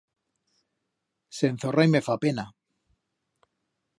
S'enzorra y me fa pena.